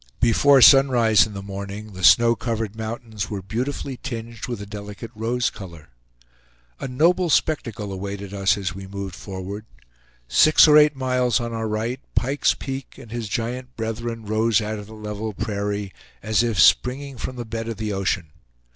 Before sunrise in the morning the snow covered mountains were beautifully tinged with a delicate rose color. A noble spectacle awaited us as we moved forward. Six or eight miles on our right, Pike's Peak and his giant brethren rose out of the level prairie, as if springing from the bed of the ocean.